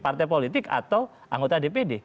partai politik atau anggota dpd